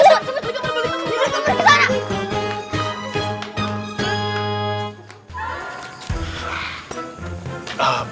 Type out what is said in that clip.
balik ke sana